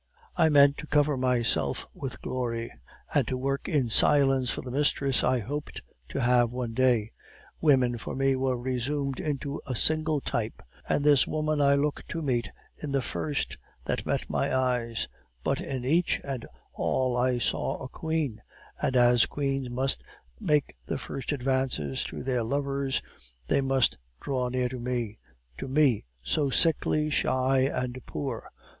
I meant to cover myself with glory, and to work in silence for the mistress I hoped to have one day. Women for me were resumed into a single type, and this woman I looked to meet in the first that met my eyes; but in each and all I saw a queen, and as queens must make the first advances to their lovers, they must draw near to me to me, so sickly, shy, and poor.